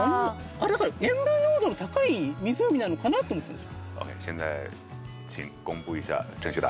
あれだから塩分濃度の高い湖なのかなと思ったなし。